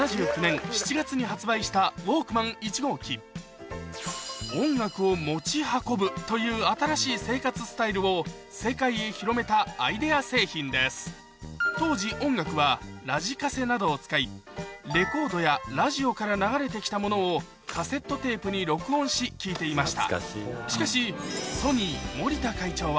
１号機という新しい生活スタイルを世界へ広めたアイデア製品です当時音楽はラジカセなどを使いレコードやラジオから流れてきたものをカセットテープに録音し聴いていました